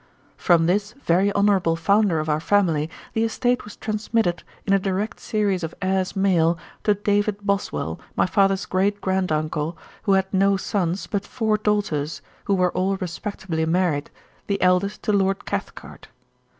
From this very honourable founder of our family, the estate was transmitted, in a direct series of heirs male, to David Boswell, my father's great grand uncle, who had no sons, but four daughters, who were all respectably married, the eldest to Lord Cathcart.